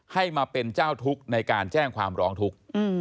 ให้มาเป็นเจ้าทุกข์ในการแจ้งความร้องทุกข์